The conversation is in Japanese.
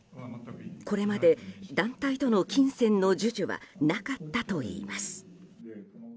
これまで、団体との金銭の授受はなかったといいます。